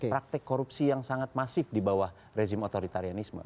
praktek korupsi yang sangat masif di bawah rezim otoritarianisme